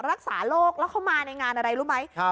รักษาโลกแล้วเขามาในงานอะไรรู้ไหม